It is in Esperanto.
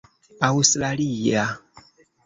aŭstralia